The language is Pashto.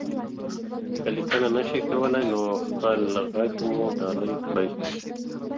که ليکنه نشئ کولی، نو خپل غږ مو ډالۍ کړئ.